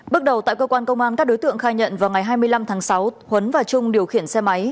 bước đầu tại cơ quan công an các đối tượng khai nhận vào ngày hai mươi năm tháng sáu huấn và trung điều khiển xe máy